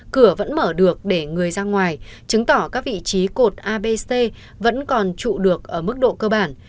cửa vẫn mở được để người ra ngoài chứng tỏ các vị trí cột abc vẫn còn trụ được ở mức độ cơ bản